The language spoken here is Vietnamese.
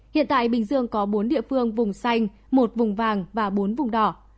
hiện tại bình dương có bốn địa phương vùng xanh một vùng vàng và bốn vùng đỏ